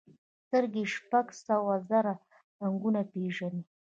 سترګې شپږ سوه زره رنګونه پېژني.